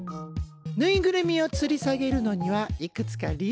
ぬいぐるみをつり下げるのにはいくつか理由があるんだ。